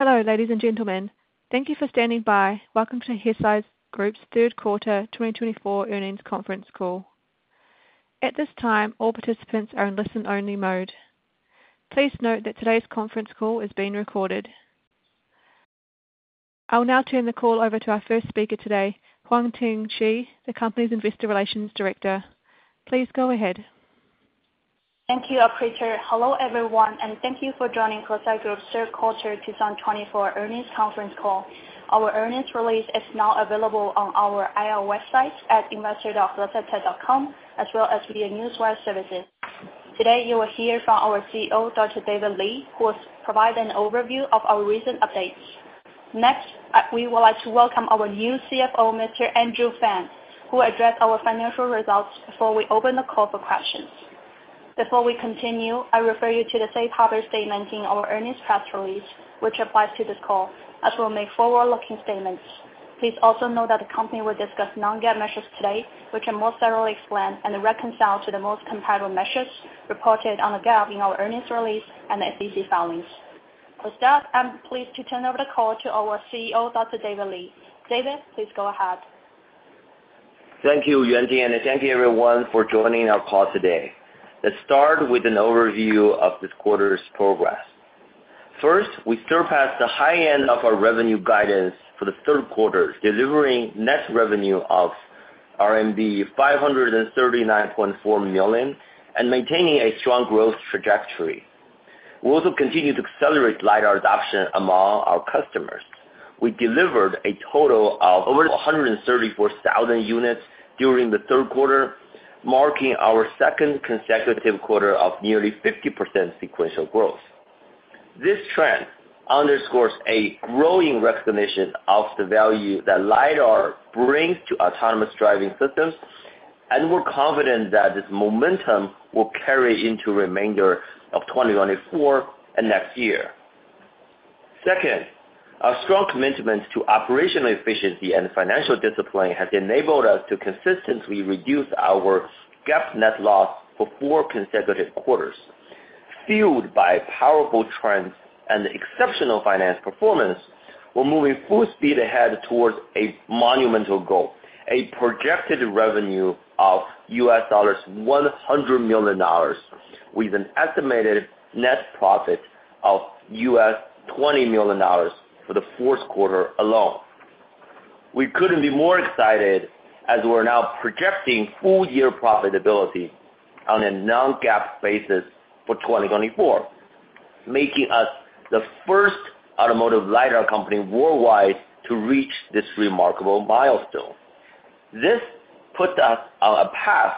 Hello, ladies and gentlemen. Thank you for standing by. Welcome to Hesai Group's third quarter 2024 earnings conference call. At this time, all participants are in listen-only mode. Please note that today's conference call is being recorded. I will now turn the call over to our first speaker today, Yuanting Shi, the company's investor relations director. Please go ahead. Thank you, operator. Hello, everyone, and thank you for joining Hesai Group's third quarter 2024 earnings conference call. Our earnings release is now available on our IR website at investor.hesai.com, as well as via newswire services. Today, you will hear from our CEO, Dr. David Li, who will provide an overview of our recent updates. Next, we would like to welcome our new CFO, Mr. Andrew Fan, who will address our financial results before we open the call for questions. Before we continue, I refer you to the safe harbor statement in our earnings press release, which applies to this call, as we will make forward-looking statements. Please also note that the company will discuss non-GAAP measures today, which are more thoroughly explained and reconciled to the most comparable measures reported under GAAP in our earnings release and the SEC filings. With that, I'm pleased to turn over the call to our CEO, Dr. David Li. David, please go ahead. Thank you, Yuanting, and thank you, everyone, for joining our call today. Let's start with an overview of this quarter's progress. First, we surpassed the high end of our revenue guidance for the third quarter, delivering net revenue of RMB 539.4 million and maintaining a strong growth trajectory. We also continue to accelerate LiDAR adoption among our customers. We delivered a total of over 134,000 units during the third quarter, marking our second consecutive quarter of nearly 50% sequential growth. This trend underscores a growing recognition of the value that LiDAR brings to autonomous driving systems, and we're confident that this momentum will carry into the remainder of 2024 and next year. Second, our strong commitment to operational efficiency and financial discipline has enabled us to consistently reduce our GAAP net loss for four consecutive quarters. Fueled by powerful trends and exceptional financial performance, we're moving full speed ahead towards a monumental goal: a projected revenue of $100 million, with an estimated net profit of $20 million for the fourth quarter alone. We couldn't be more excited as we're now projecting full-year profitability on a non-GAAP basis for 2024, making us the first automotive LiDAR company worldwide to reach this remarkable milestone. This puts us on a path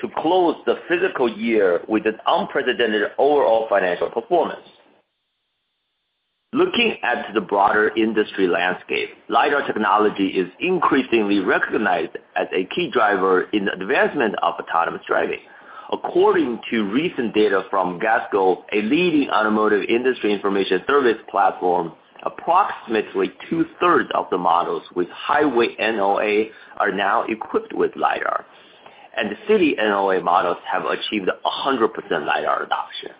to close the fiscal year with an unprecedented overall financial performance. Looking at the broader industry landscape, LiDAR technology is increasingly recognized as a key driver in the advancement of autonomous driving. According to recent data from Gasgoo, a leading automotive industry information service platform, approximately two-thirds of the models with highway NOA are now equipped with LiDAR, and the city NOA models have achieved 100% LiDAR adoption.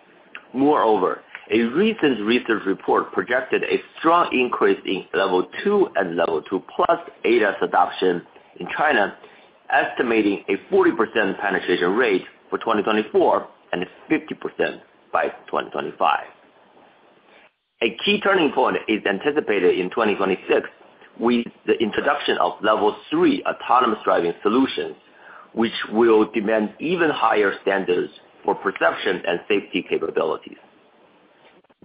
Moreover, a recent research report projected a strong increase in Level 2 and Level 2+ ADAS adoption in China, estimating a 40% penetration rate for 2024 and a 50% by 2025. A key turning point is anticipated in 2026 with the introduction of Level 3 autonomous driving solutions, which will demand even higher standards for perception and safety capabilities.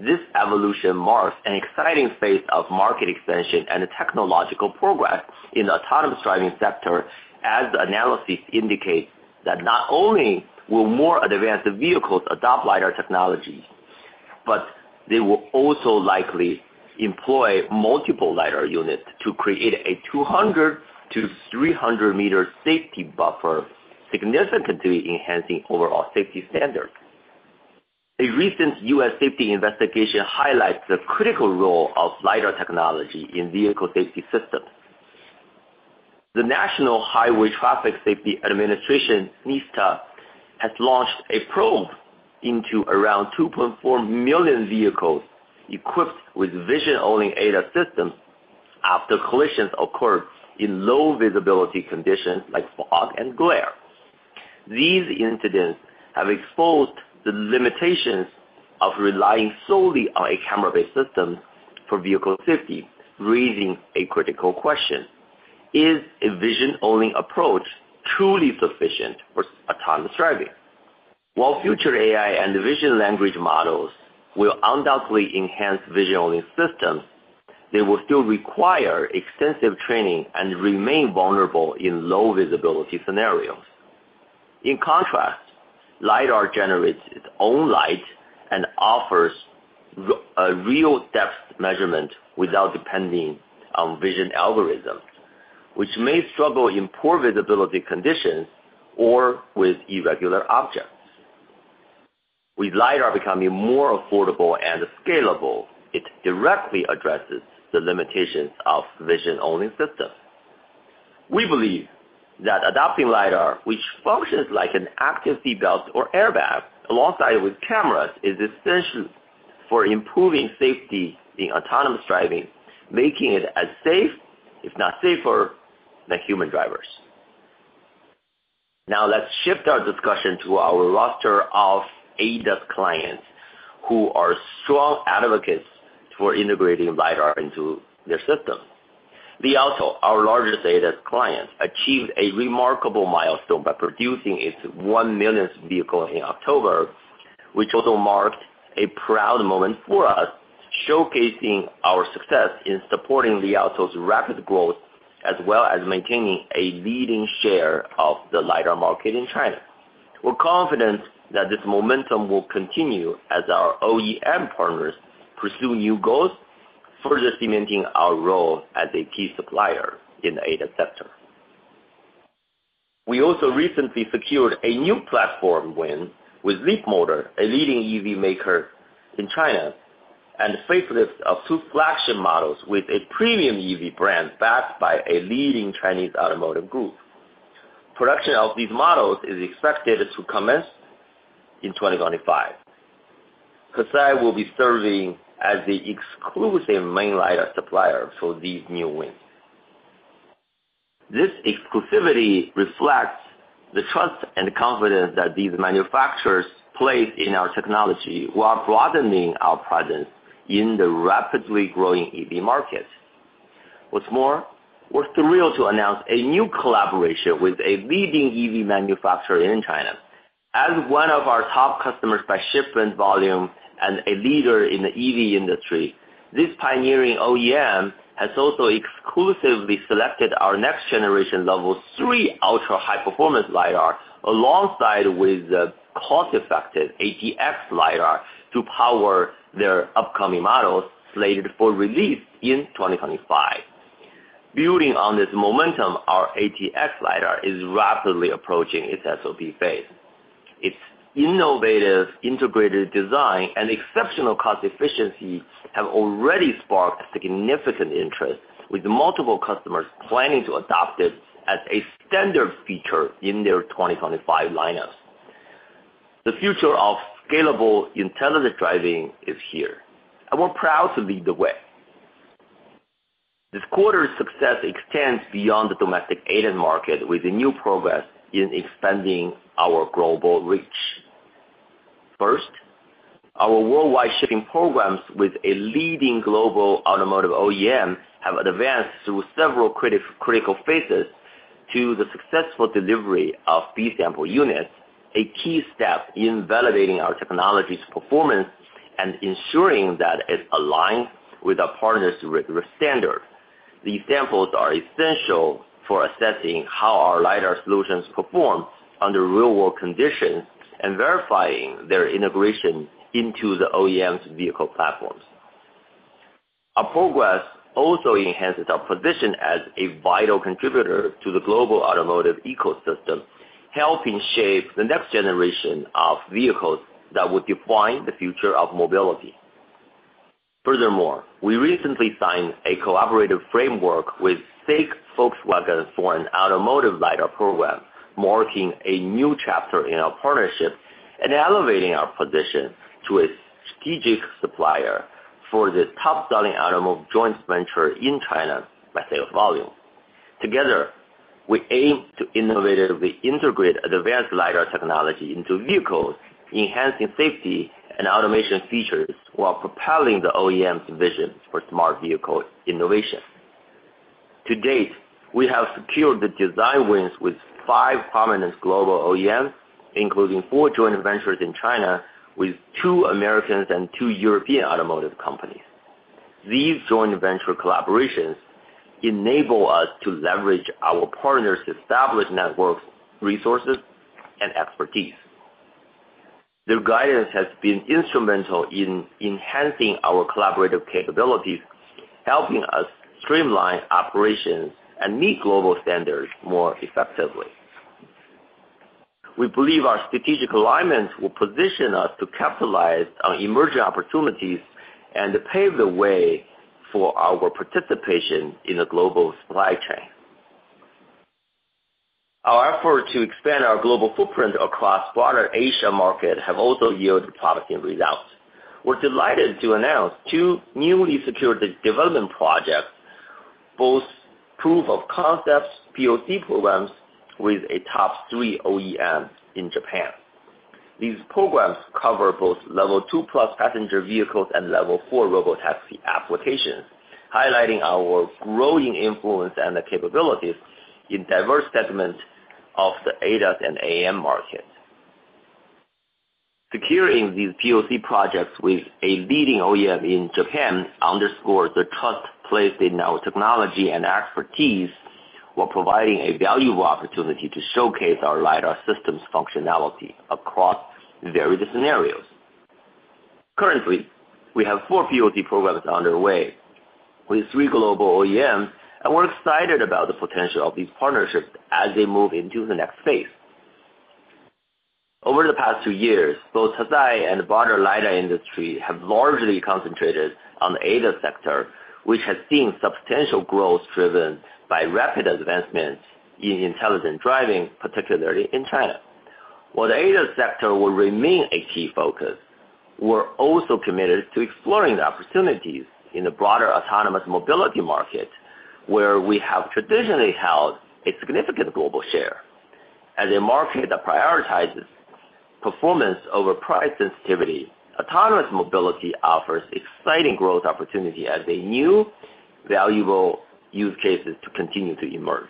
This evolution marks an exciting phase of market expansion and technological progress in the autonomous driving sector, as the analysis indicates that not only will more advanced vehicles adopt LiDAR technology, but they will also likely employ multiple LiDAR units to create a 200-300-meter safety buffer, significantly enhancing overall safety standards. A recent U.S. safety investigation highlights the critical role of LiDAR technology in vehicle safety systems. The National Highway Traffic Safety Administration (NHTSA) has launched a probe into around 2.4 million vehicles equipped with vision-only ADAS systems after collisions occurred in low-visibility conditions like fog and glare. These incidents have exposed the limitations of relying solely on a camera-based system for vehicle safety, raising a critical question: Is a vision-only approach truly sufficient for autonomous driving? While future AI and vision language models will undoubtedly enhance vision-only systems, they will still require extensive training and remain vulnerable in low-visibility scenarios. In contrast, LiDAR generates its own light and offers a real depth measurement without depending on vision algorithms, which may struggle in poor visibility conditions or with irregular objects. With LiDAR becoming more affordable and scalable, it directly addresses the limitations of vision-only systems. We believe that adopting LiDAR, which functions like an active seatbelt or airbag alongside cameras, is essential for improving safety in autonomous driving, making it as safe, if not safer, than human drivers. Now, let's shift our discussion to our roster of ADAS clients who are strong advocates for integrating LiDAR into their systems. Li Auto, our largest ADAS client, achieved a remarkable milestone by producing its one millionth vehicle in October, which also marked a proud moment for us, showcasing our success in supporting Li Auto's rapid growth as well as maintaining a leading share of the LiDAR market in China. We're confident that this momentum will continue as our OEM partners pursue new goals, further cementing our role as a key supplier in the ADAS sector. We also recently secured a new platform win with Leapmotor, a leading EV maker in China, and facelift of two flagship models with a premium EV brand backed by a leading Chinese automotive group. Production of these models is expected to commence in 2025. Hesai will be serving as the exclusive main LiDAR supplier for these new wins. This exclusivity reflects the trust and confidence that these manufacturers place in our technology, while broadening our presence in the rapidly growing EV market. What's more, we're thrilled to announce a new collaboration with a leading EV manufacturer in China. As one of our top customers by shipment volume and a leader in the EV industry, this pioneering OEM has also exclusively selected our next-generation Level 3 Ultra High-Performance LiDAR alongside the cost-effective ATX LiDAR to power their upcoming models slated for release in 2025. Building on this momentum, our ATX LiDAR is rapidly approaching its SOP phase. Its innovative integrated design and exceptional cost efficiency have already sparked significant interest, with multiple customers planning to adopt it as a standard feature in their 2025 lineups. The future of scalable intelligent driving is here, and we're proud to lead the way. This quarter's success extends beyond the domestic ADAS market, with new progress in expanding our global reach. First, our worldwide shipping programs with a leading global automotive OEM have advanced through several critical phases to the successful delivery of these sample units, a key step in validating our technology's performance and ensuring that it aligns with our partners' rigorous standards. These samples are essential for assessing how our LiDAR solutions perform under real-world conditions and verifying their integration into the OEM's vehicle platforms. Our progress also enhances our position as a vital contributor to the global automotive ecosystem, helping shape the next generation of vehicles that will define the future of mobility. Furthermore, we recently signed a collaborative framework with SAIC Volkswagen for an automotive LiDAR program, marking a new chapter in our partnership and elevating our position to a strategic supplier for the top-selling automotive joint venture in China by sales volume. Together, we aim to innovatively integrate advanced LiDAR technology into vehicles, enhancing safety and automation features while propelling the OEM's vision for smart vehicle innovation. To date, we have secured the design wins with five prominent global OEMs, including four joint ventures in China with two Americans and two European automotive companies. These joint venture collaborations enable us to leverage our partners' established networks, resources, and expertise. Their guidance has been instrumental in enhancing our collaborative capabilities, helping us streamline operations and meet global standards more effectively. We believe our strategic alignment will position us to capitalize on emerging opportunities and pave the way for our participation in the global supply chain. Our efforts to expand our global footprint across the broader Asia market have also yielded promising results. We're delighted to announce two newly secured development projects, both proof-of-concept (PoC) programs with a top-three OEM in Japan. These programs cover both Level 2+ passenger vehicles and Level 4 robotaxi applications, highlighting our growing influence and capabilities in diverse segments of the ADAS and AM markets. Securing these PoC projects with a leading OEM in Japan underscores the trust placed in our technology and expertise, while providing a valuable opportunity to showcase our LiDAR system's functionality across various scenarios. Currently, we have four PoC programs underway with three global OEMs, and we're excited about the potential of these partnerships as they move into the next phase. Over the past two years, both Hesai and the broader LiDAR industry have largely concentrated on the ADAS sector, which has seen substantial growth driven by rapid advancements in intelligent driving, particularly in China. While the ADAS sector will remain a key focus, we're also committed to exploring the opportunities in the broader autonomous mobility market, where we have traditionally held a significant global share. As a market that prioritizes performance over price sensitivity, autonomous mobility offers exciting growth opportunities as new valuable use cases continue to emerge.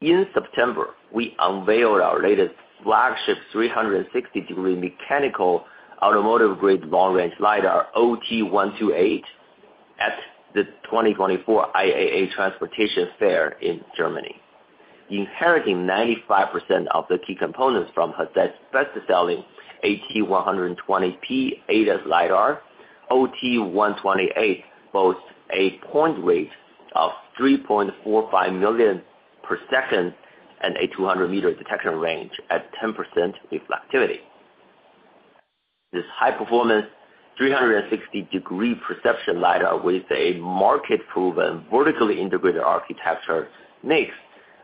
In September, we unveiled our latest flagship 360-degree mechanical automotive-grade long-range LiDAR, OT128, at the 2024 IAA Transportation Fair in Germany. Inheriting 95% of the key components from Hesai's best-selling AT128 ADAS LiDAR, OT128 boasts a point rate of 3.45 million per second and a 200-meter detection range at 10% reflectivity. This high-performance 360-degree perception LiDAR, with a market-proven vertically integrated architecture, makes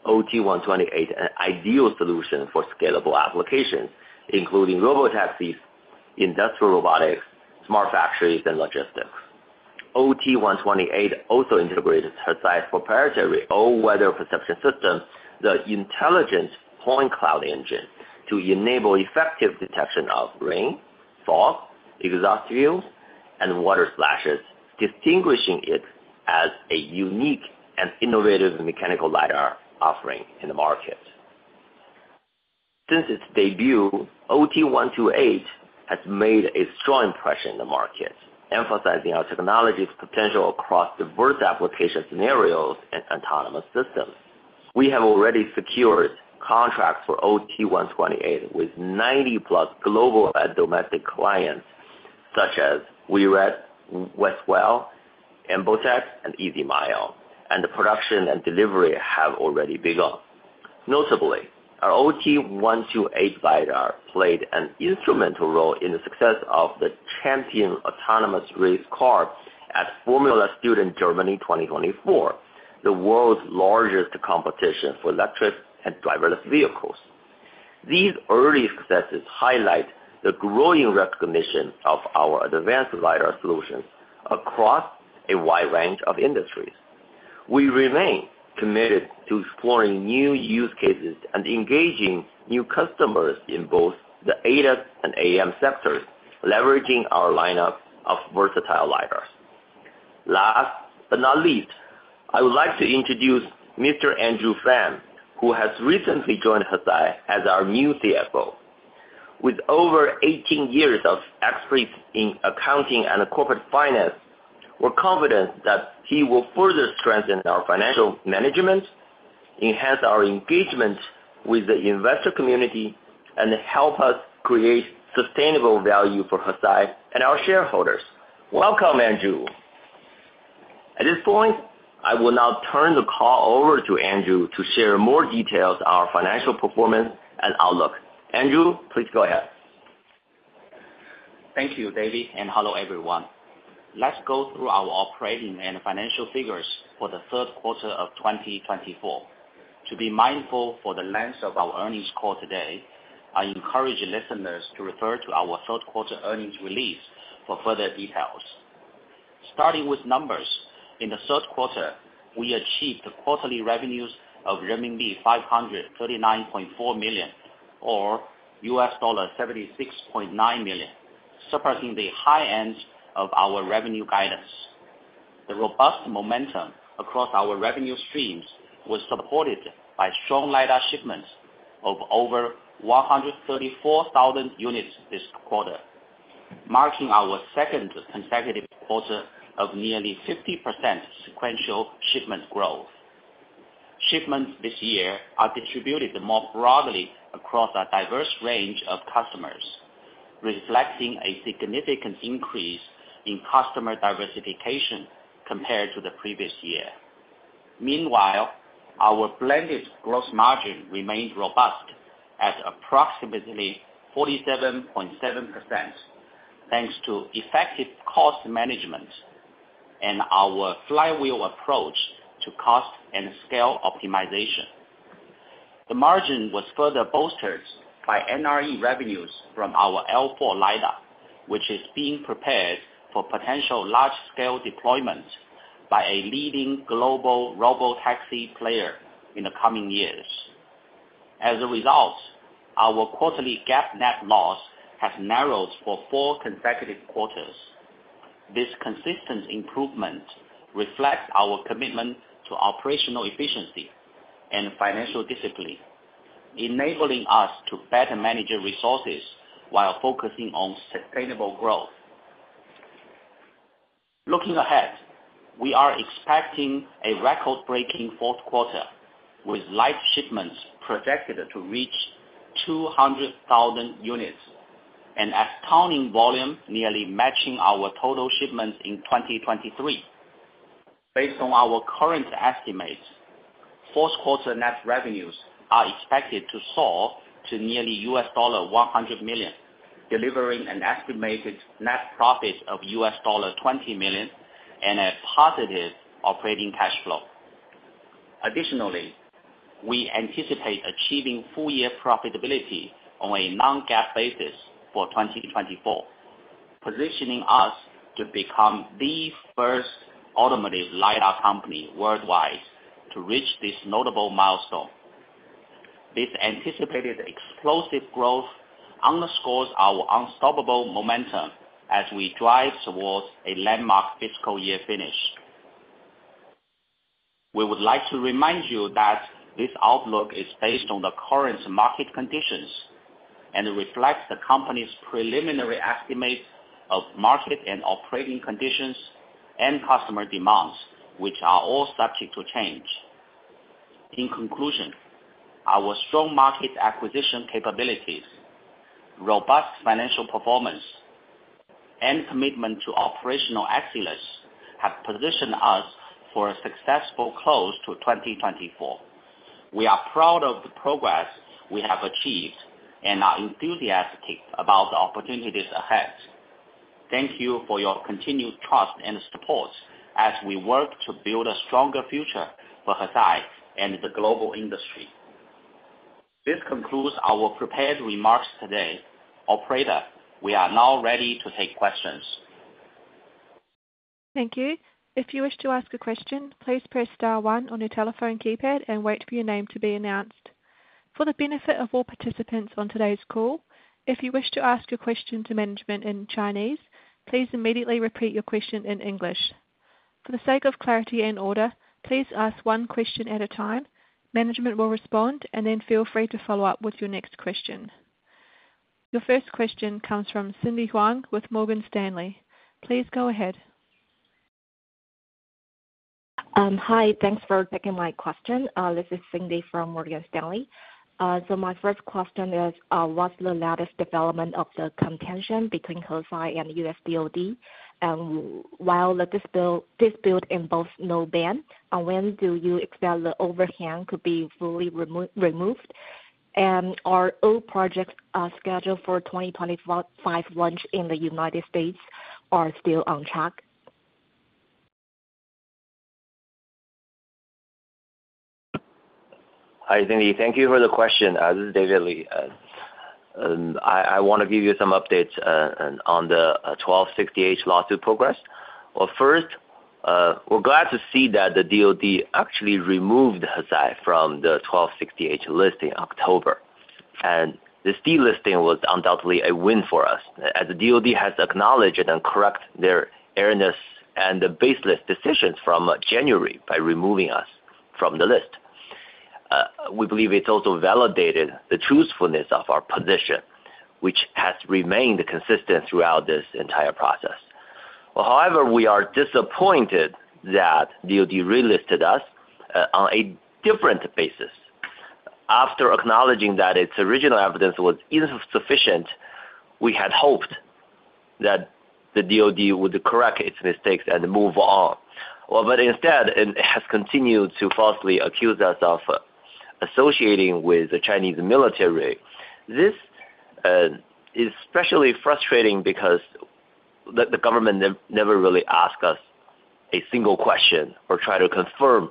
OT128 an ideal solution for scalable applications, including robotaxis, industrial robotics, smart factories, and logistics. OT128 also integrates Hesai's proprietary all-weather perception system, the Intelligent Point Cloud Engine, to enable effective detection of rain, fog, exhaust fumes, and water splashes, distinguishing it as a unique and innovative mechanical LiDAR offering in the market. Since its debut, OT128 has made a strong impression in the market, emphasizing our technology's potential across diverse application scenarios and autonomous systems. We have already secured contracts for OT128 with 90-plus global and domestic clients, such as WeRide, Westwell, Embotech, and EasyMile, and the production and delivery have already begun. Notably, our OT128 LiDAR played an instrumental role in the success of the Champion Autonomous Race Car at Formula Student Germany 2024, the world's largest competition for electric and driverless vehicles. These early successes highlight the growing recognition of our advanced LiDAR solutions across a wide range of industries. We remain committed to exploring new use cases and engaging new customers in both the ADAS and AM sectors, leveraging our lineup of versatile LiDARs. Last but not least, I would like to introduce Mr. Andrew Fan, who has recently joined Hesai as our new CFO. With over 18 years of expertise in accounting and corporate finance, we're confident that he will further strengthen our financial management, enhance our engagement with the investor community, and help us create sustainable value for Hesai and our shareholders. Welcome, Andrew. At this point, I will now turn the call over to Andrew to share more details on our financial performance and outlook. Andrew, please go ahead. Thank you, David, and hello everyone. Let's go through our operating and financial figures for the third quarter of 2024. To be mindful of the length of our earnings call today, I encourage listeners to refer to our third quarter earnings release for further details. Starting with numbers, in the third quarter, we achieved quarterly revenues of RMB 539.4 million, or $76.9 million, surpassing the high end of our revenue guidance. The robust momentum across our revenue streams was supported by strong LiDAR shipments of over 134,000 units this quarter, marking our second consecutive quarter of nearly 50% sequential shipment growth. Shipments this year are distributed more broadly across a diverse range of customers, reflecting a significant increase in customer diversification compared to the previous year. Meanwhile, our blended gross margin remained robust at approximately 47.7%, thanks to effective cost management and our flywheel approach to cost and scale optimization. The margin was further bolstered by NRE revenues from our L4 LiDAR, which is being prepared for potential large-scale deployment by a leading global robotaxi player in the coming years. As a result, our quarterly GAAP net loss has narrowed for four consecutive quarters. This consistent improvement reflects our commitment to operational efficiency and financial discipline, enabling us to better manage resources while focusing on sustainable growth. Looking ahead, we are expecting a record-breaking fourth quarter, with LiDAR shipments projected to reach 200,000 units and astounding volume nearly matching our total shipments in 2023. Based on our current estimates, fourth quarter net revenues are expected to soar to nearly $100 million, delivering an estimated net profit of $20 million and a positive operating cash flow. Additionally, we anticipate achieving full-year profitability on a non-GAAP basis for 2024, positioning us to become the first automotive LiDAR company worldwide to reach this notable milestone. This anticipated explosive growth underscores our unstoppable momentum as we drive towards a landmark fiscal year finish. We would like to remind you that this outlook is based on the current market conditions and reflects the company's preliminary estimates of market and operating conditions and customer demands, which are all subject to change. In conclusion, our strong market acquisition capabilities, robust financial performance, and commitment to operational excellence have positioned us for a successful close to 2024. We are proud of the progress we have achieved and are enthusiastic about the opportunities ahead. Thank you for your continued trust and support as we work to build a stronger future for Hesai and the global industry. This concludes our prepared remarks today. Operator, we are now ready to take questions. Thank you. If you wish to ask a question, please press star one on your telephone keypad and wait for your name to be announced. For the benefit of all participants on today's call, if you wish to ask a question to management in Chinese, please immediately repeat your question in English. For the sake of clarity and order, please ask one question at a time. Management will respond, and then feel free to follow up with your next question. Your first question comes from Cindy Huang with Morgan Stanley. Please go ahead. Hi, thanks for taking my question. This is Cindy from Morgan Stanley. So my first question is, what's the latest development of the contention between Hesai and U.S. DOD? And while the dispute involves no ban, when do you expect the overhang to be fully removed? And are all projects scheduled for 2025 launch in the United States still on track? Hi, Cindy. Thank you for the question. This is David Li. I want to give you some updates on the 1260H list progress. Well, first, we're glad to see that the DOD actually removed Hesai from the 1260H list in October. And this delisting was undoubtedly a win for us, as the DOD has acknowledged and corrected their erroneous and baseless decisions from January by removing us from the list. We believe it's also validated the truthfulness of our position, which has remained consistent throughout this entire process. However, we are disappointed that DOD relisted us on a different basis. After acknowledging that its original evidence was insufficient, we had hoped that the DOD would correct its mistakes and move on, but instead, it has continued to falsely accuse us of associating with the Chinese military. This is especially frustrating because the government never really asked us a single question or tried to confirm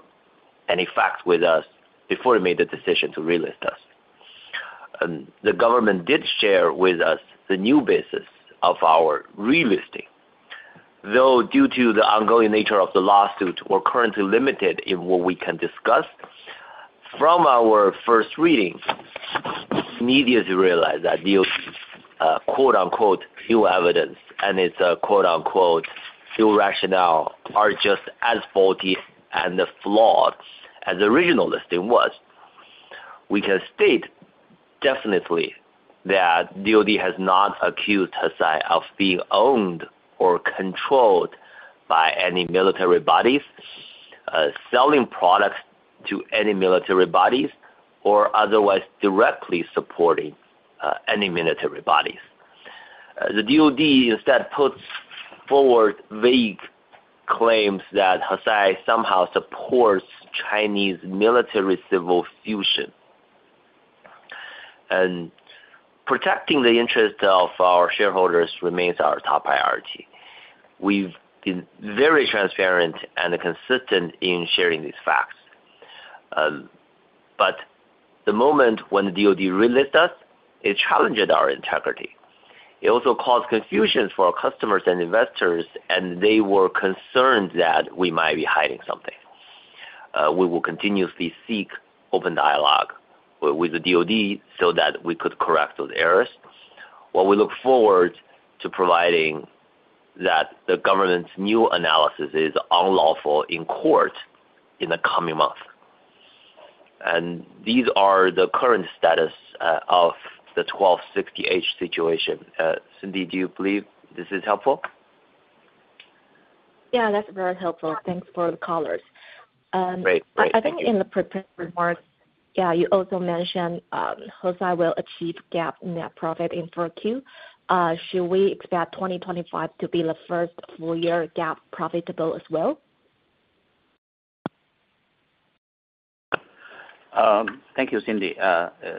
any facts with us before it made the decision to relist us. The government did share with us the new basis of our relisting. Though due to the ongoing nature of the lawsuit, we're currently limited in what we can discuss. From our first reading, we immediately realized that DOD's "new evidence" and its "rationale" are just as faulty and flawed as the original listing was. We can state definitely that DOD has not accused Hesai of being owned or controlled by any military bodies, selling products to any military bodies, or otherwise directly supporting any military bodies. The DOD instead puts forward vague claims that Hesai somehow supports Chinese military civil fusion, and protecting the interests of our shareholders remains our top priority. We've been very transparent and consistent in sharing these facts, but the moment when the DOD relisted us, it challenged our integrity. It also caused confusion for our customers and investors, and they were concerned that we might be hiding something. We will continuously seek open dialogue with the DOD so that we could correct those errors. We look forward to proving that the government's new analysis is unlawful in court in the coming month, and these are the current status of the 1260H situation. Cindy, do you believe this is helpful? Yeah, that's very helpful. Thanks for the colors. I think in the prepared remarks, yeah, you also mentioned Hesai will achieve GAAP net profit in full Q4. Should we expect 2025 to be the first full-year GAAP profita ble as well? Thank you, Cindy.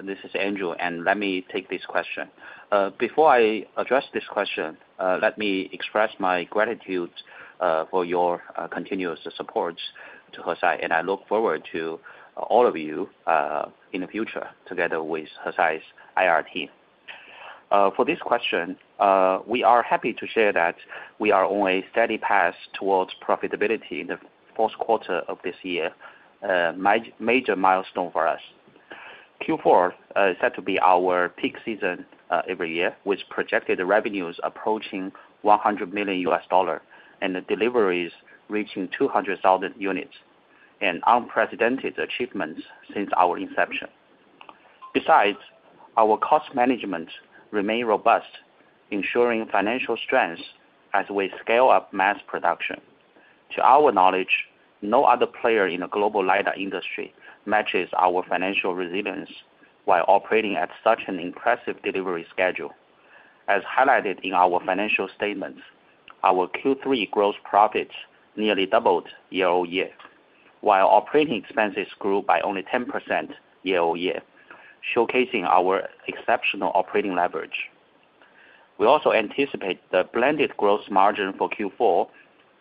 This is Andrew, and let me take this question. Before I address this question, let me express my gratitude for your continuous support to Hesai, and I look forward to all of you in the future together with Hesai's IR team. For this question, we are happy to share that we are on a steady path towards profitability in the fourth quarter of this year, a major milestone for us. Q4 is set to be our peak season every year, with projected revenues approaching $100 million and deliveries reaching 200,000 units, an unprecedented achievement since our inception. Besides, our cost management remains robust, ensuring financial strength as we scale up mass production. To our knowledge, no other player in the global LiDAR industry matches our financial resilience while operating at such an impressive delivery schedule. As highlighted in our financial statements, our Q3 gross profit nearly doubled year-over-year, while operating expenses grew by only 10% year-over-year, showcasing our exceptional operating leverage. We also anticipate the blended gross margin for Q4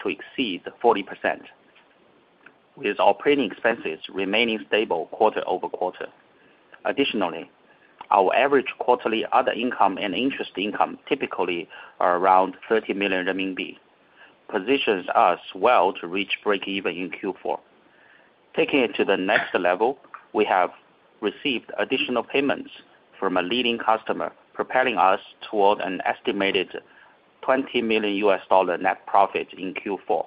to exceed 40%, with operating expenses remaining stable quarter over quarter. Additionally, our average quarterly other income and interest income typically are around 30 million renminbi, positioning us well to reach break-even in Q4. Taking it to the next level, we have received additional payments from a leading customer, propelling us toward an estimated $20 million net profit in Q4.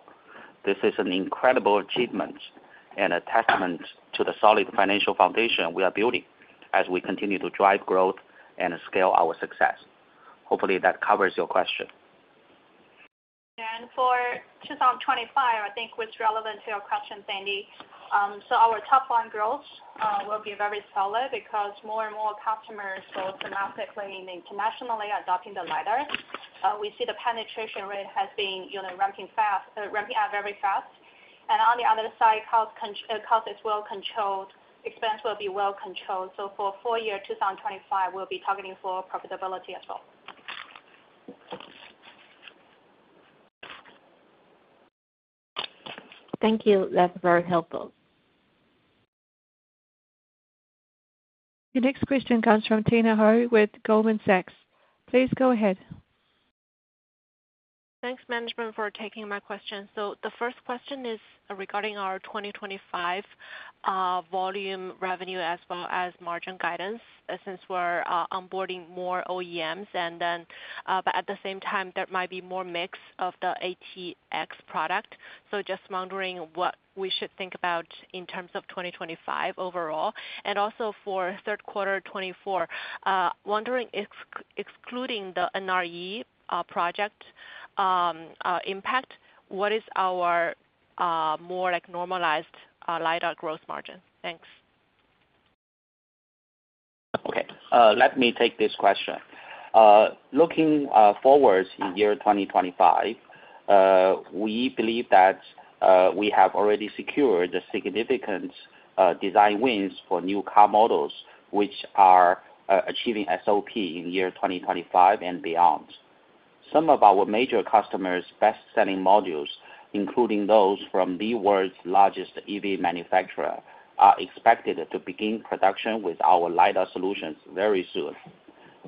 This is an incredible achievement and a testament to the solid financial foundation we are building as we continue to drive growth and scale our success. Hopefully, that covers your question. And for 2025, I think what's relevant to your question, Cindy, so our top-line growth will be very solid because more and more customers are automatically and internationally adopting the LiDAR. We see the penetration rate has been ramping up very fast. And on the other side, cost is well controlled. Expense will be well controlled. So for full-year 2025, we'll be targeting for profitability as well. Thank you. That's very helpful. Your next question comes from Tina Hou with Goldman Sachs. Please go ahead. Thanks, management, for taking my question. So the first question is regarding our 2025 volume revenue as well as margin guidance since we're onboarding more OEMs. But at the same time, there might be more mix of the ATX product. So just wondering what we should think about in terms of 2025 overall. And also for third quarter 2024, wondering excluding the NRE project impact, what is our more normalized LiDAR gross margin? Thanks. Okay. Let me take this question. Looking forward to year 2025, we believe that we have already secured significant design wins for new car models, which are achieving SOP in year 2025 and beyond. Some of our major customers' best-selling modules, including those from the world's largest EV manufacturer, are expected to begin production with our LiDAR solutions very soon.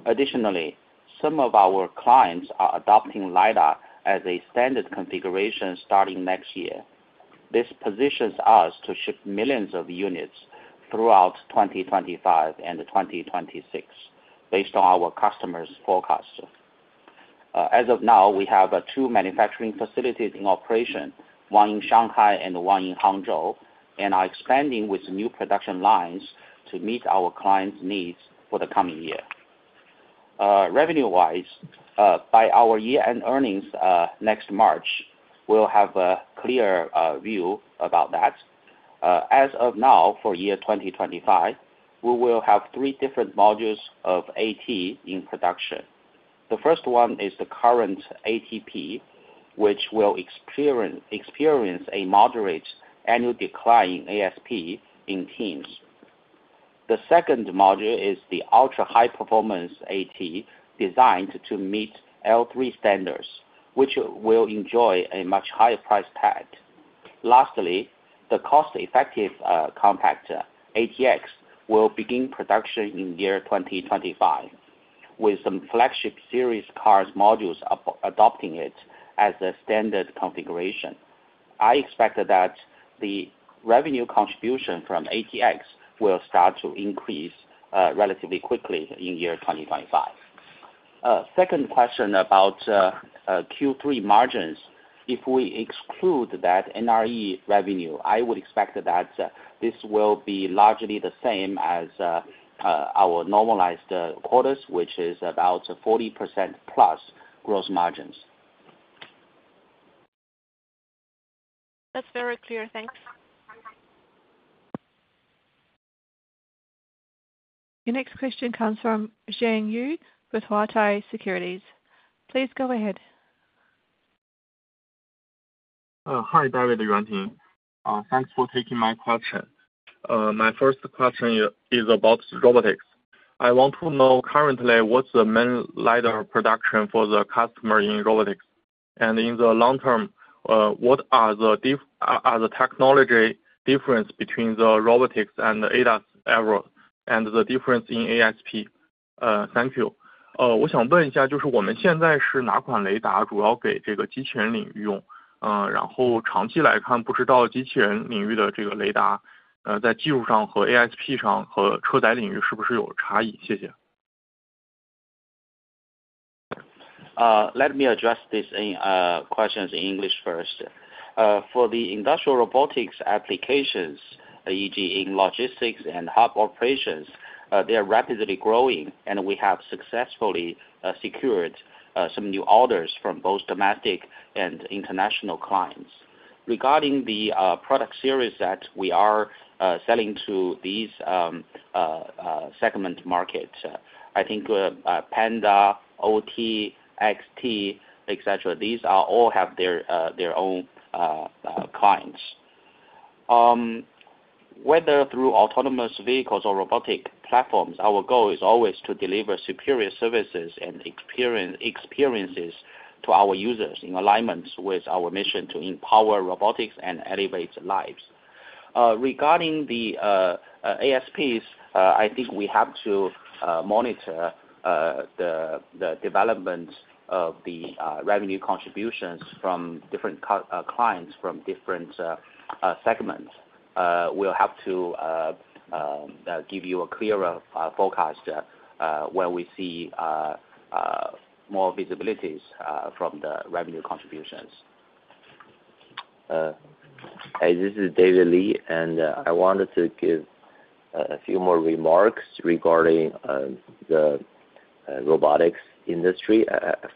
Additionally, some of our clients are adopting LiDAR as a standard configuration starting next year. This positions us to ship millions of units throughout 2025 and 2026 based on our customers' forecasts. As of now, we have two manufacturing facilities in operation, one in Shanghai and one in Hangzhou, and are expanding with new production lines to meet our clients' needs for the coming year. Revenue-wise, by our year-end earnings next March, we'll have a clear view about that. As of now for year 2025, we will have three different modules of AT in production. The first one is the current AT128, which will experience a moderate annual decline in ASP in terms. The second module is the ultra-high-performance AT512 designed to meet L3 standards, which will enjoy a much higher price tag. Lastly, the cost-effective compact ATX will begin production in year 2025, with some flagship series cars' modules adopting it as a standard configuration. I expect that the revenue contribution from ATX will start to increase relatively quickly in year 2025. Second question about Q3 margins. If we exclude that NRE revenue, I would expect that this will be largely the same as our normalized quarters, which is about 40% plus gross margins. That's very clear. Thanks. Your next question comes from Zhang Yu with Huatai Securities. Please go ahead. Hi, David, Yuanting. Thanks for taking my question. My first question is about robotics. I want to know currently what's the main LiDAR product for the customer in robotics. And in the long term, what are the technology differences between the robotics and ADAS area and the difference in ASP? Thank you. 我想问一下，就是我们现在是哪款雷达主要给机器人领域用，然后长期来看不知道机器人领域的雷达在技术上和ASP上和车载领域是不是有差异？谢谢。Let me address this question in English first. For the industrial robotics applications, e.g., in logistics and hub operations, they are rapidly growing, and we have successfully secured some new orders from both domestic and international clients. Regarding the product series that we are selling to these segment markets, I think Pandar, OT, XT, etc., these all have their own clients. Whether through autonomous vehicles or robotic platforms, our goal is always to deliver superior services and experiences to our users in alignment with our mission to empower robotics and elevate lives. Regarding the ASPs, I think we have to monitor the development of the revenue contributions from different clients from different segments. We'll have to give you a clearer forecast when we see more visibilities from the revenue contributions. This is David Li, and I wanted to give a few more remarks regarding the robotics industry.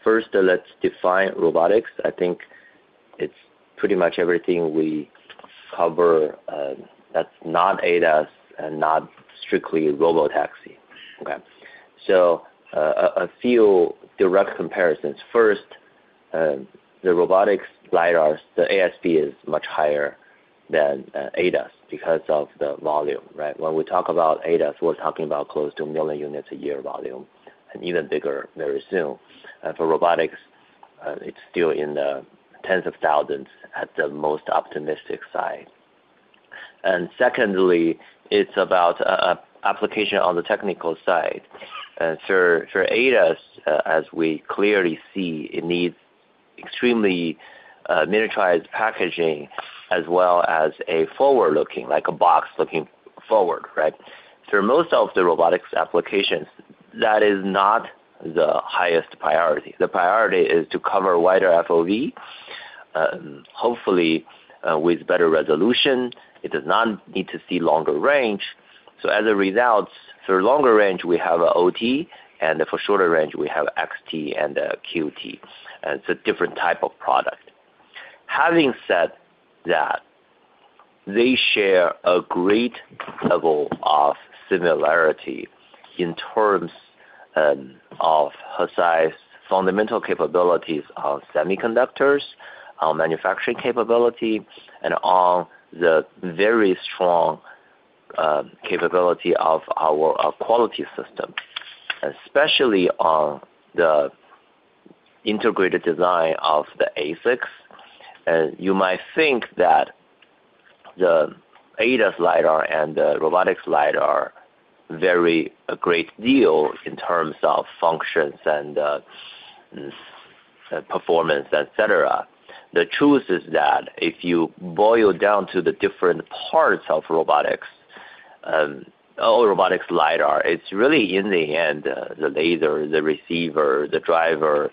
First, let's define robotics. I think it's pretty much everything we cover that's not ADAS and not strictly robotaxi. Okay. So a few direct comparisons. First, the robotics LiDARs, the ASP is much higher than ADAS because of the volume, right? When we talk about ADAS, we're talking about close to a million units a year volume and even bigger very soon. And for robotics, it's still in the tens of thousands at the most optimistic side. And secondly, it's about application on the technical side. And for ADAS, as we clearly see, it needs extremely miniaturized packaging as well as a forward-looking, like a box looking forward, right? For most of the robotics applications, that is not the highest priority. The priority is to cover wider FOV, hopefully with better resolution. It does not need to see longer range. So as a result, for longer range, we have OT, and for shorter range, we have XT and QT. And it's a different type of product. Having said that, they share a great level of similarity in terms of Hesai's fundamental capabilities of semiconductors, our manufacturing capability, and on the very strong capability of our quality system, especially on the integrated design of the ASICs. And you might think that the ADAS LiDAR and the robotics LiDAR are very a great deal in terms of functions and performance, etc. The truth is that if you boil down to the different parts of robotics, all robotics LiDAR, it's really in the end, the laser, the receiver, the driver,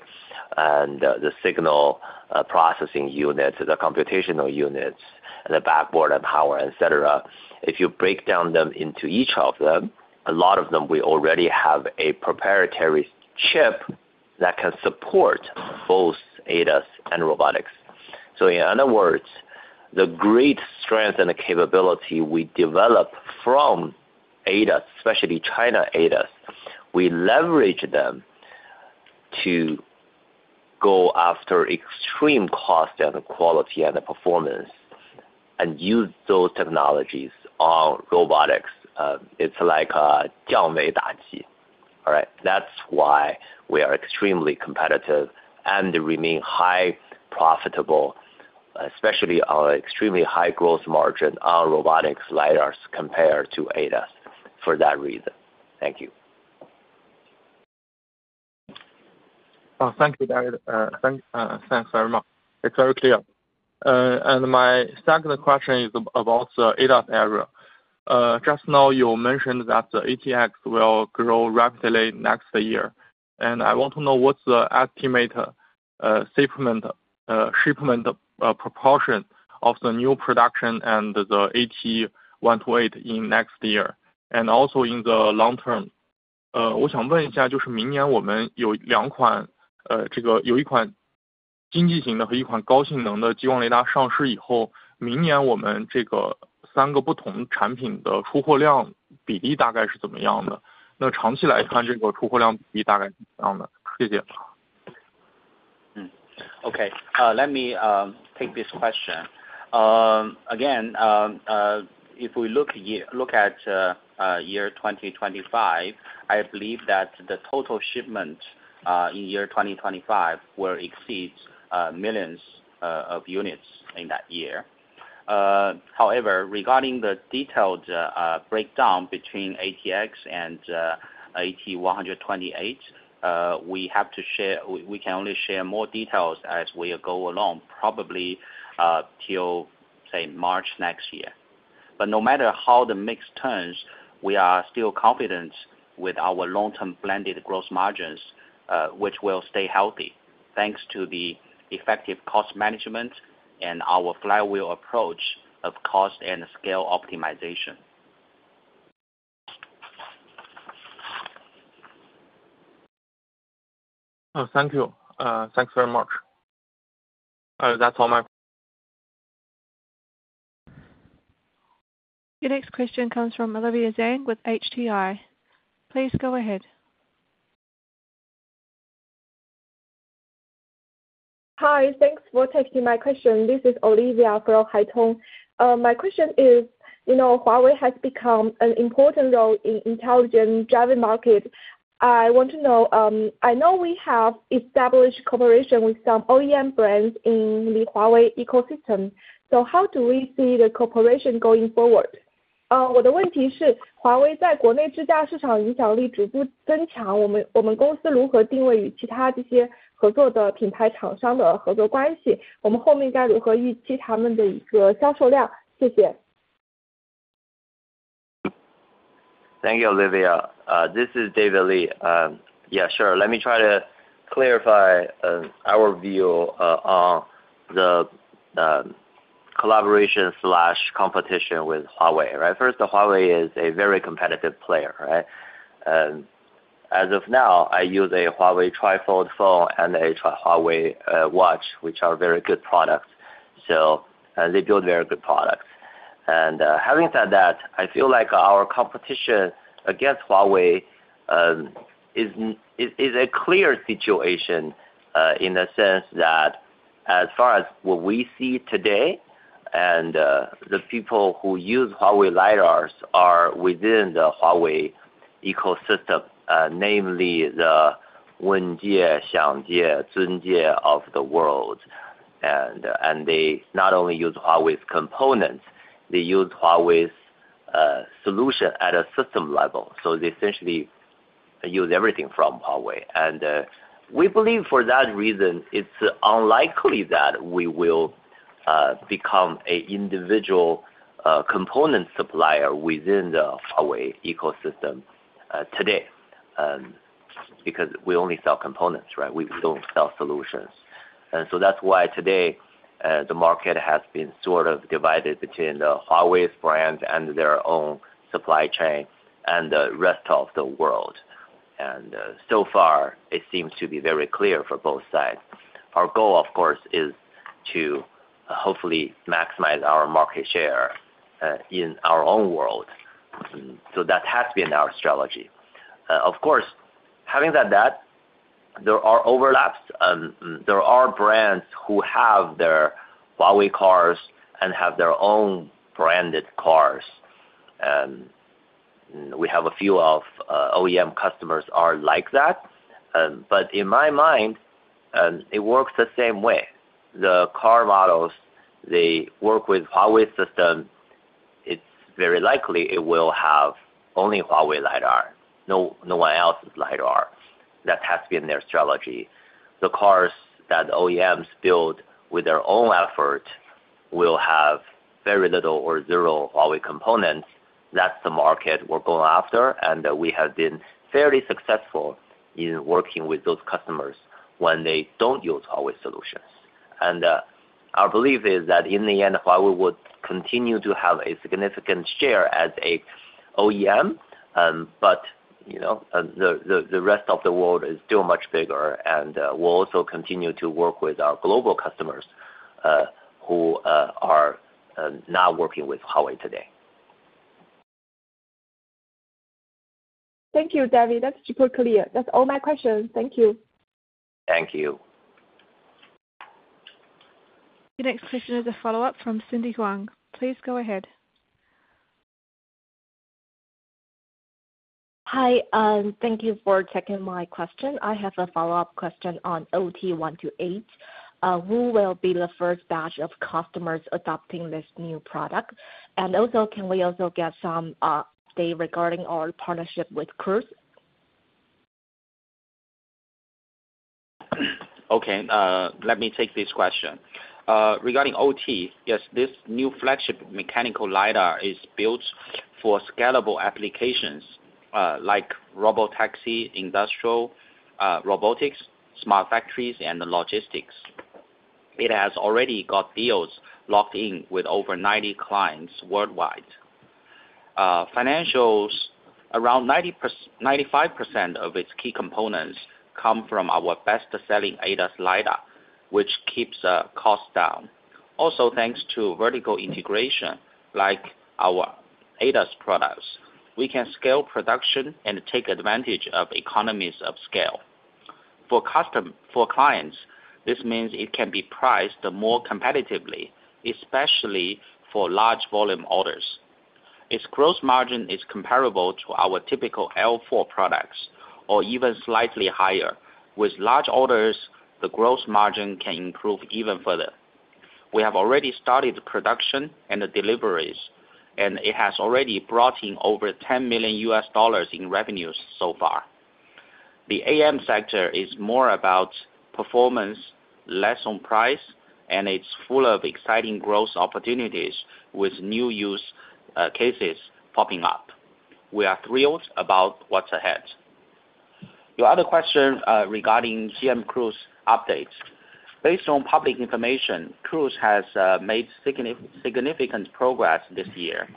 and the signal processing unit, the computational units, the backboard and power, etc. If you break down them into each of them, a lot of them will already have a proprietary chip that can support both ADAS and robotics. So in other words, the great strength and the capability we develop from ADAS, especially China ADAS, we leverage them to go after extreme cost and quality and performance and use those technologies on robotics. It's like a Jiangwei Daji. All right? That's why we are extremely competitive and remain high profitable, especially our extremely high gross margin on robotics LiDARs compared to ADAS for that reason. Thank you. Thank you, David. Thanks very much. It's very clear. And my second question is about the ADAS area. Just now, you mentioned that the ATX will grow rapidly next year. And I want to know what's the estimated shipment proportion of the new production and the AT128 in next year, and also in the long term. 我想问一下，就是明年我们有两款，这个有一款经济型的和一款高性能的激光雷达上市以后，明年我们这个三个不同产品的出货量比例大概是怎么样的？那长期来看，这个出货量比例大概是怎么样的？谢谢。Okay. Let me take this question. Again, if we look at year 2025, I believe that the total shipment in year 2025 will exceed millions of units in that year. However, regarding the detailed breakdown between ATX and AT128, we have to share. We can only share more details as we go along, probably till, say, March next year. But no matter how the mix turns, we are still confident with our long-term blended gross margins, which will stay healthy thanks to the effective cost management and our flywheel approach of cost and scale optimization. Thank you. Thanks very much. That's all my questions. Your next question comes from Olivia Zhang with HTI. Please go ahead. Hi. Thanks for taking my question. This is Olivia from Haitong. My question is, you know, Huawei has become an important role in the intelligent driving market. I want to know, I know we have established cooperation with some OEM brands in the Huawei ecosystem. So how do we see the cooperation going forward? 我的问题是，华为在国内自家市场影响力逐步增强，我们公司如何定位与其他这些合作的品牌厂商的合作关系？我们后面该如何预期他们的一个销售量？谢谢。Thank you, Olivia. This is David Li. Yeah, sure. Let me try to clarify our view on the collaboration/competition with Huawei, right? First, the Huawei is a very competitive player, right? As of now, I use a Huawei tri-fold phone and a Huawei watch, which are very good products. So they build very good products. And having said that, I feel like our competition against Huawei is a clear situation in the sense that as far as what we see today, and the people who use Huawei LiDARs are within the Huawei ecosystem, namely the Wenjie, Xiangjie, Zunjie of the world. And they not only use Huawei's components, they use Huawei's solution at a system level. So they essentially use everything from Huawei. And we believe for that reason, it's unlikely that we will become an individual component supplier within the Huawei ecosystem today because we only sell components, right? We don't sell solutions. And so that's why today the market has been sort of divided between the Huawei's brand and their own supply chain and the rest of the world. And so far, it seems to be very clear for both sides. Our goal, of course, is to hopefully maximize our market share in our own world. So that has been our strategy. Of course, having said that, there are overlaps. There are brands who have their Huawei cars and have their own branded cars. We have a few of OEM customers are like that. But in my mind, it works the same way. The car models, they work with Huawei system. It's very likely it will have only Huawei LiDAR. No one else's LiDAR. That has been their strategy. The cars that OEMs build with their own effort will have very little or zero Huawei components. That's the market we're going after. And we have been fairly successful in working with those customers when they don't use Huawei solutions. And our belief is that in the end, Huawei would continue to have a significant share as an OEM. But the rest of the world is still much bigger. And we'll also continue to work with our global customers who are not working with Huawei today. Thank you, David. That's super clear. That's all my questions. Thank you. Thank you. Your next question is a follow-up from Cindy Huang. Please go ahead. Hi. Thank you for taking my question. I have a follow-up question on OT128. Who will be the first batch of customers adopting this new product? And also, can we also get some update regarding our partnership with Cruise? Okay. Let me take this question. Regarding OT, yes, this new flagship mechanical LiDAR is built for scalable applications like robotaxi, industrial robotics, smart factories, and logistics. It has already got deals locked in with over 90 clients worldwide. Financials, around 95% of its key components come from our best-selling ADAS LiDAR, which keeps costs down. Also, thanks to vertical integration like our ADAS products, we can scale production and take advantage of economies of scale. For clients, this means it can be priced more competitively, especially for large volume orders. Its gross margin is comparable to our typical L4 products or even slightly higher. With large orders, the gross margin can improve even further. We have already started production and deliveries, and it has already brought in over $10 million in revenues so far. The AM sector is more about performance, less on price, and it's full of exciting growth opportunities with new use cases popping up. We are thrilled about what's ahead. Your other question regarding GM Cruise updates. Based on public information, Cruise has made significant progress this year.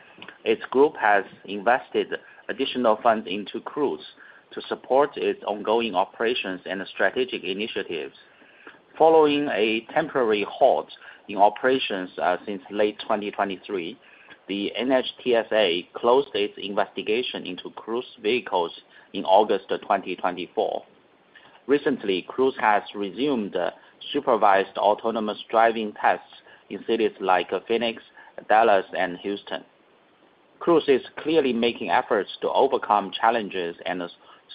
Its group has invested additional funds into Cruise to support its ongoing operations and strategic initiatives. Following a temporary halt in operations since late 2023, the NHTSA closed its investigation into Cruise vehicles in August 2024. Recently, Cruise has resumed supervised autonomous driving tests in cities like Phoenix, Dallas, and Houston. Cruise is clearly making efforts to overcome challenges and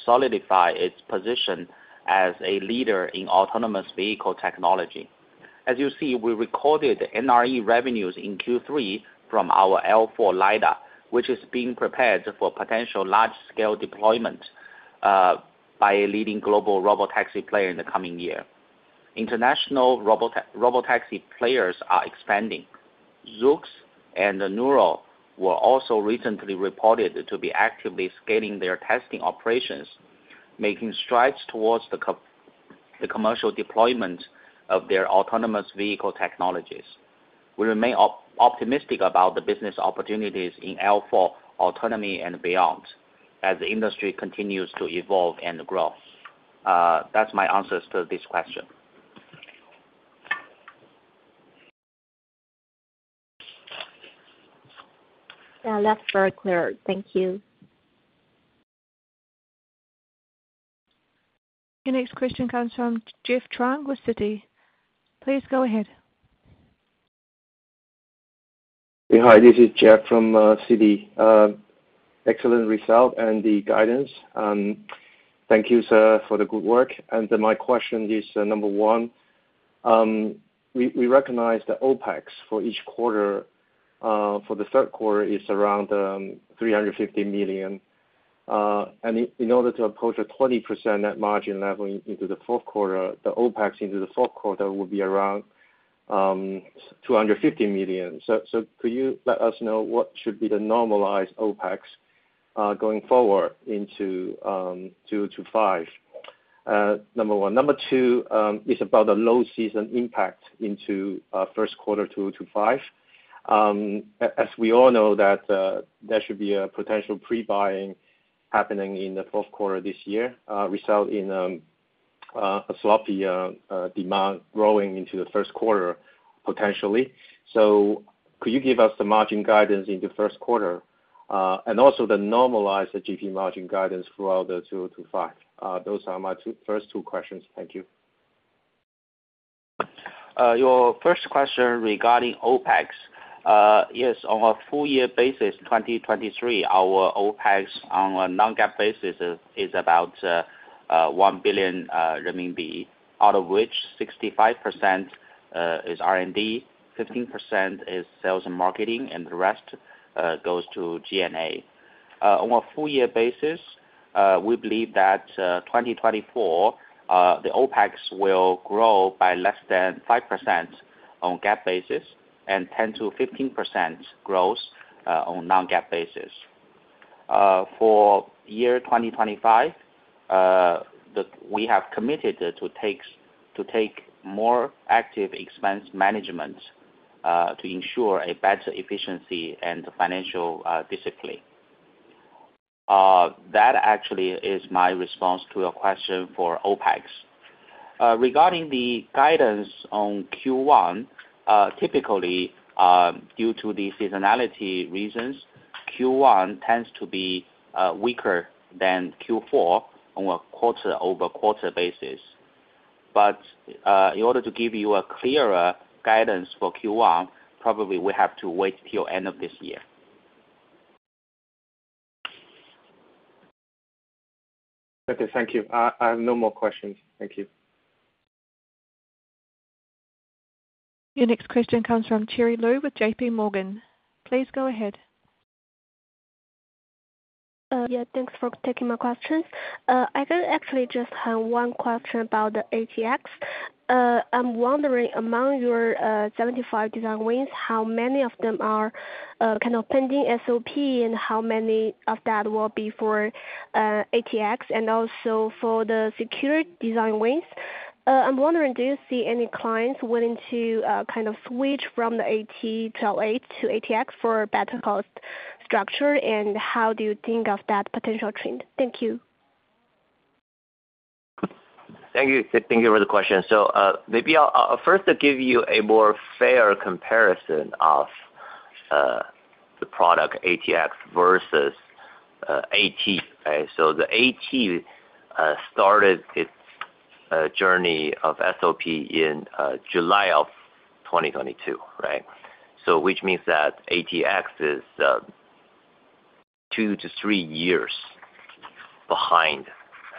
solidify its position as a leader in autonomous vehicle technology. As you see, we recorded NRE revenues in Q3 from our L4 LiDAR, which is being prepared for potential large-scale deployment by a leading global robotaxi player in the coming year. International robotaxi players are expanding. Zoox and Nuro were also recently reported to be actively scaling their testing operations, making strides towards the commercial deployment of their autonomous vehicle technologies. We remain optimistic about the business opportunities in L4 autonomy and beyond as the industry continues to evolve and grow. That's my answers to this question. Yeah, that's very clear. Thank you. Your next question comes from Jeff Chung with Citi. Please go ahead. Hi, this is Jeff from Citi. Excellent result and the guidance. Thank you, sir, for the good work. And my question is number one. We recognize the OpEx for each quarter. For the third quarter, it's around 350 million. And in order to approach a 20% net margin level into the fourth quarter, the OpEx into the fourth quarter will be around 250 million. So could you let us know what should be the normalized OpEx going forward into Q2 to Q4? Number one. Number two is about the low season impact into first quarter Q2 to Q4. As we all know, there should be a potential pre-buying happening in the fourth quarter this year, resulting in a sloppy demand growing into the first quarter potentially. So could you give us the margin guidance into first quarter and also the normalized GP margin guidance for all the Q2 to Q4? Those are my first two questions. Thank you. Your first question regarding OpEx. Yes, on a full year basis, 2023, our OpEx on a non-GAAP basis is about 1 billion renminbi, out of which 65% is R&D, 15% is sales and marketing, and the rest goes to G&A. On a full year basis, we believe that 2024, the OpEx will grow by less than 5% on GAAP basis and 10%-15% growth on non-GAAP basis. For year 2025, we have committed to take more active expense management to ensure a better efficiency and financial discipline. That actually is my response to your question for OpEx. Regarding the guidance on Q1, typically, due to the seasonality reasons, Q1 tends to be weaker than Q4 on a quarter-over-quarter basis. But in order to give you a clearer guidance for Q1, probably we have to wait till end of this year. Okay. Thank you. I have no more questions. Thank you. Your next question comes from Cherry Lu with J.P. Morgan. Please go ahead. Yeah, thanks for taking my questions. I actually just have one question about the ATX. I'm wondering, among your 75 design wins, how many of them are kind of pending SOP and how many of that will be for ATX and also for the secured design wins? I'm wondering, do you see any clients willing to kind of switch from the AT128 to ATX for a better cost structure? And how do you think of that potential trend? Thank you. Thank you. Thank you for the question. So maybe I'll first give you a more fair comparison of the product ATX versus AT, right? So the AT started its journey of SOP in July of 2022, right? So which means that ATX is two to three years behind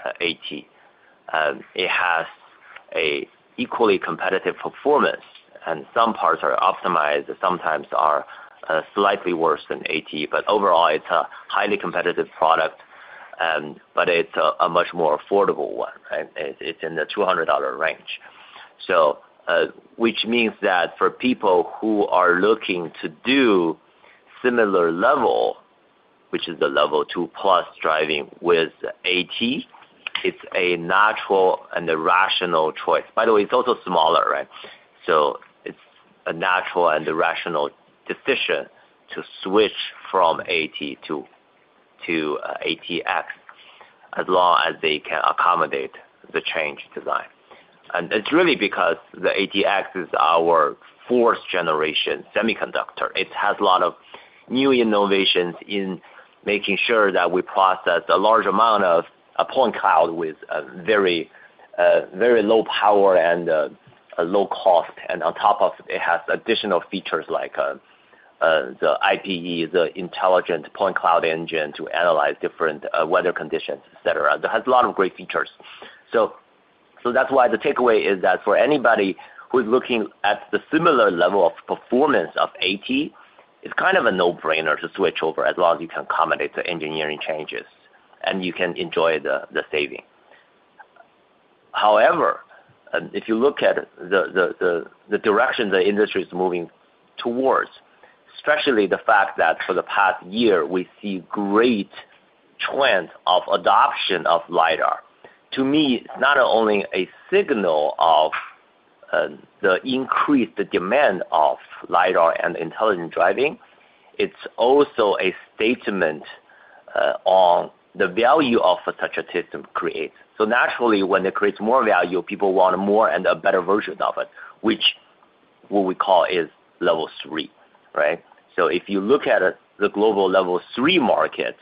AT. It has an equally competitive performance, and some parts are optimized, sometimes are slightly worse than AT. But overall, it's a highly competitive product, but it's a much more affordable one, right? It's in the $200 range, so which means that for people who are looking to do similar level, which is the level two plus driving with AT, it's a natural and a rational choice. By the way, it's also smaller, right, so it's a natural and a rational decision to switch from AT to ATX as long as they can accommodate the change design, and it's really because the ATX is our fourth generation semiconductor. It has a lot of new innovations in making sure that we process a large amount of point cloud with very low power and low cost. On top of it, it has additional features like the IPE, the Intelligent Point Cloud Engine to analyze different weather conditions, etc. That has a lot of great features. That's why the takeaway is that for anybody who's looking at the similar level of performance of AT, it's kind of a no-brainer to switch over as long as you can accommodate the engineering changes and you can enjoy the saving. However, if you look at the direction the industry is moving towards, especially the fact that for the past year, we see great trends of adoption of LiDAR. To me, it's not only a signal of the increased demand of LiDAR and intelligent driving, it's also a statement on the value of such a system creates. Naturally, when it creates more value, people want more and a better version of it, which is what we call Level 3, right? If you look at the global Level 3 market,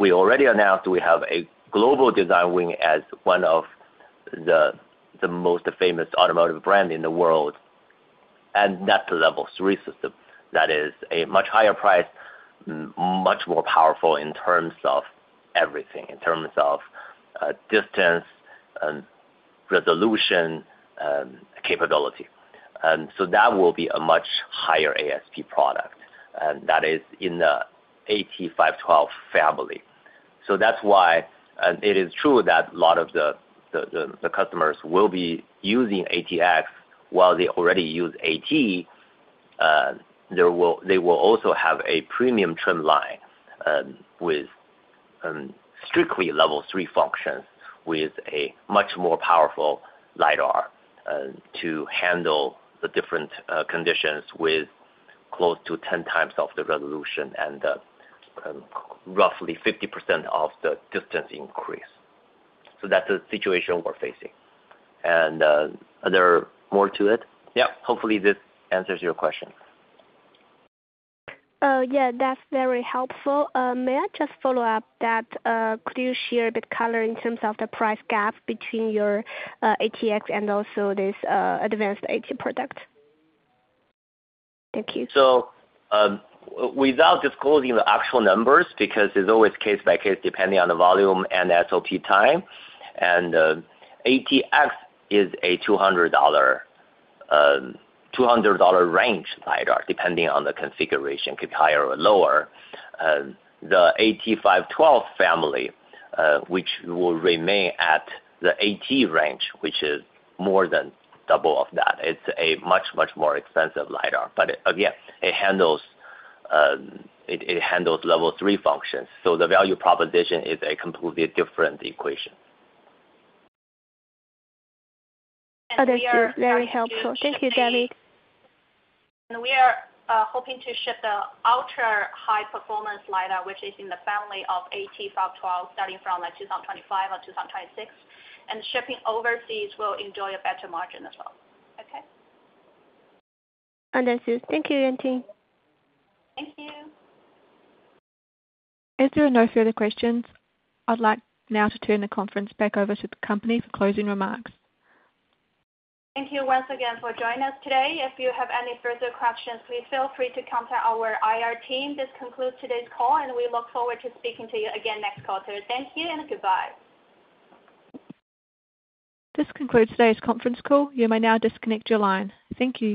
we already announced we have a global design win as one of the most famous automotive brands in the world. That's a Level 3 system that is a much higher price, much more powerful in terms of everything, in terms of distance, resolution, capability. That will be a much higher ASP product. And that is in the AT512 Family. That's why it is true that a lot of the customers will be using ATX while they already use AT. They will also have a premium trim line with strictly level three functions with a much more powerful LiDAR to handle the different conditions with close to 10 times of the resolution and roughly 50% of the distance increase, so that's the situation we're facing, and are there more to it? Yeah. Hopefully, this answers your question. Yeah, that's very helpful. May I just follow up that? Could you share a bit color in terms of the price gap between your ATX and also this advanced AT product? Thank you. So without disclosing the actual numbers, because it's always case by case depending on the volume and SOP time, and ATX is a $200 range LiDAR depending on the configuration, could be higher or lower. The AT512 family, which will remain at the AT range, which is more than double of that, it's a much, much more expensive LiDAR. But again, it handles Level 3 functions. So the value proposition is a completely different equation. Yeah, very helpful. Thank you, David. And we are hoping to ship the ultra high performance LiDAR, which is in the family of AT512 starting from 2025 or 2026. And shipping overseas will enjoy a better margin as well. Okay. Understood. Thank you, Yuanting. Thank you. There are no further questions. I'd like now to turn the conference back over to the company for closing remarks. Thank you once again for joining us today. If you have any further questions, please feel free to contact our IR team. This concludes today's call, and we look forward to speaking to you again next quarter. Thank you and goodbye. This concludes today's conference call. You may now disconnect your line. Thank you.